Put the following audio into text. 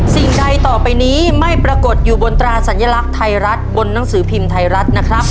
สิ่งใดต่อไปนี้ไม่ปรากฏอยู่บนตราสัญลักษณ์ไทยรัฐบนหนังสือพิมพ์ไทยรัฐนะครับ